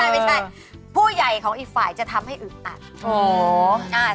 ไม่ใช่ผู้ใหญ่ของอีกฝ่ายจะทำให้อึดอัด